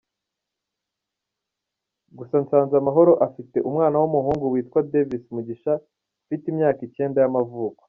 Gusa Nsanzamahoro afite umwana w’umuhungu witwa Davis Mugisha ufite imyaka icyenda y’amavuko.